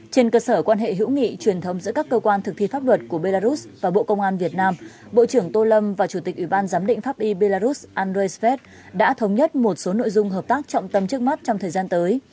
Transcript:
trên cơ sở quan hệ hữu nghị truyền thống giữa các cơ quan thực thi pháp luật của belarus và bộ công an việt nam bộ trưởng tô lâm và chủ tịch ủy ban giám định pháp y belarus andreisv đã thống nhất một số nội dung hợp tác trọng tâm trước mắt trong thời gian tới